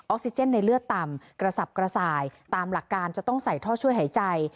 ซิเจนในเลือดต่ำกระสับกระส่ายตามหลักการจะต้องใส่ท่อช่วยหายใจ